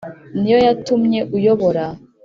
ni yo yatumye uyobora